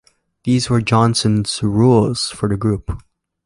These were Jonson's rules for the group.